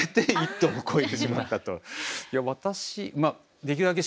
いや私できるだけ